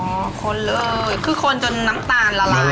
คนเลยคือคนจนน้ำตาลละลายอย่างนี้เลยครับ